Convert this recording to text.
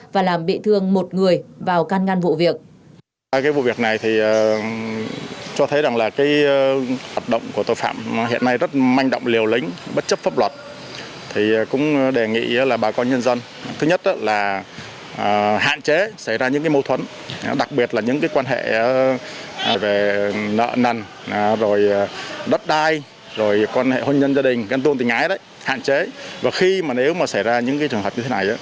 và làm bị thương một người vào căn ngăn vụ việc